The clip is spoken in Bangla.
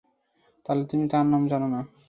তাহলে তুমি তার নাম জানো না?